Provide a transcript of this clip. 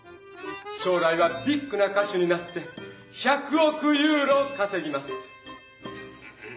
しょう来はビッグな歌手になって１００おくユーロかせぎます！